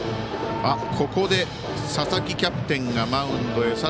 ここで佐々木キャプテンがマウンドへ。